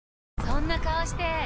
そんな顔して！